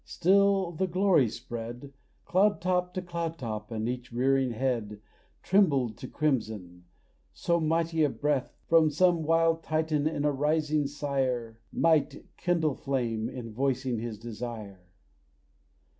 Still the glory spread Cloud top to cloud top, and each rearing head Trembled to crimson. So a mighty breath From some wild Titan in a rising ire Might kindle flame in voicing his desire.